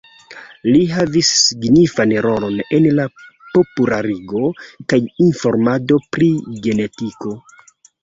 Li havis signifan rolon en la popularigo kaj informado pri genetiko.